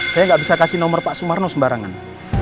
saya ga bisa kasih nomer pak sumarno sembarangan